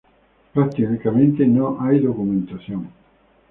Prácticamente no hay documentación.